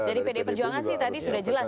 dari pdi perjuangan sih tadi sudah jelas